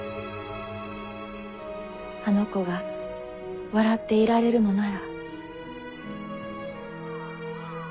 あの子が笑っていられるのなら。